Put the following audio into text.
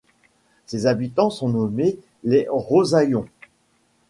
Ses habitants sont nommés les Rosaillons.